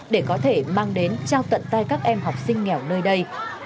để có thể mang đến trao tận tay các em học sinh nghèo nơi đây